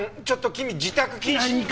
ちょっと君自宅謹慎。